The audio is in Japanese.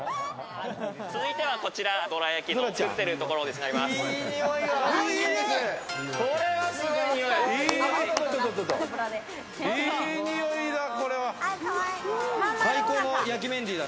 続いてはこちら、どら焼きを作っているところになります。